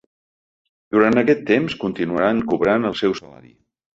Durant aquest temps continuaran cobrant el seu salari.